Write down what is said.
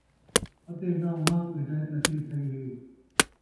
اَتے نہ اُنھاں کوں ہدایت نصیب تَھئی ہے ۔